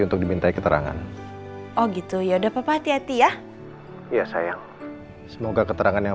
untuk dimintai keterangan oh gitu ya udah papa hati hati ya iya sayang semoga keterangan yang